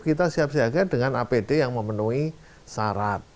kita siap siaga dengan apd yang memenuhi syarat